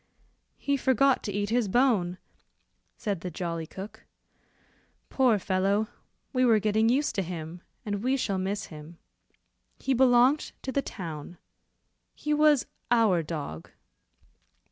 "He forgot to eat his bone," said the jolly cook; "poor fellow, we were getting used to him, and we shall miss him. He belonged to the town he was 'our dog.